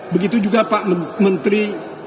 begitu juga pak menteri